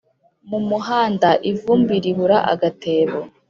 mu muhanda ivumbi ribura agatebo.